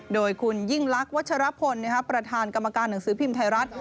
โดยคุณยิ่งลักษณวัชรพลประธานกรรมการหนังสือพิมพ์ไทยรัฐ